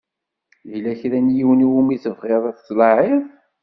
Yella kra n yiwen i wumi tebɣiḍ ad tlaɛiḍ?